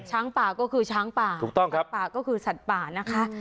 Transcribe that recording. ช้างป่าก็คือช้างป่าป่าก็คือสัตว์ป่านะคะ